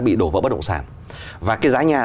bị đổ vỡ bất động sản và cái giá nhà